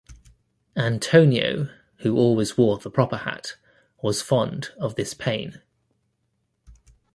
Antonio, who always wore the proper hat, was fond of this Pane.